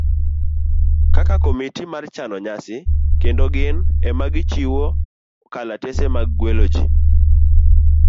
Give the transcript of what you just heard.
kaka komiti mar chano nyasi kendo gin ema gichiwo kalatese mag gwelo ji